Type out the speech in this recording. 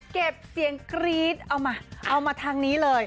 เก็บเสียงกรี๊ดเอามาเอามาทางนี้เลย